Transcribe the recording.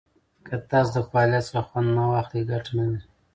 که تاسو د فعالیت څخه خوند نه واخلئ، ګټه نه لري.